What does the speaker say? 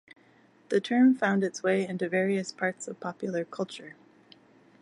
The term found its way into various parts of popular culture.